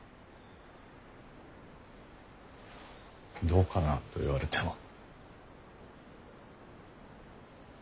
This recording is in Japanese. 「どうかな？」と言われても。